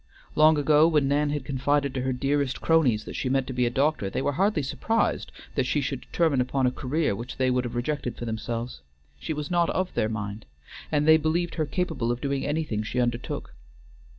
Long ago, when Nan had confided to her dearest cronies that she meant to be a doctor, they were hardly surprised that she should determine upon a career which they would have rejected for themselves. She was not of their mind, and they believed her capable of doing anything she undertook.